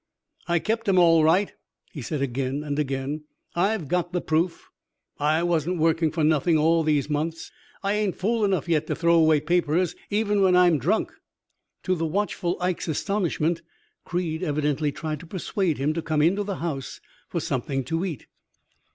"'I kept 'em all right,' he said again and again. 'I've got the proof. I wasn't working for nothing all these months. I ain't fool enough yet to throw away papers even when I'm drunk.' "To the watchful Ike's astonishment, Creed evidently tried to persuade him to come into the house for something to eat.